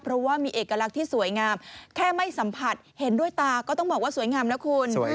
เพราะว่ามีเอกลักษณ์ที่สวยงามแค่ไม่สัมผัสเห็นด้วยตาก็ต้องบอกว่าสวยงามนะคุณ